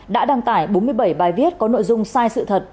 đã đăng tải bốn mươi bảy bài viết có nội dung sai sự thật